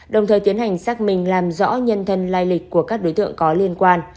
đồng thời tiến hành xác minh làm rõ nhân thân lai lịch của các đối tượng có liên quan